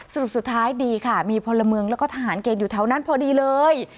สรุปสุดท้ายดีค่ะมีพลเมืองแล้วก็ทหารเกณฑ์อยู่แถวนั้นพอดีเลย